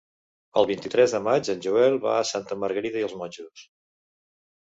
El vint-i-tres de maig en Joel va a Santa Margarida i els Monjos.